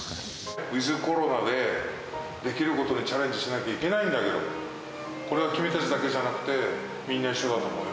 ウィズコロナで、できることにチャレンジしなきゃいけないんだけど、これは、君たちだけじゃなくて、みんな一緒だと思う。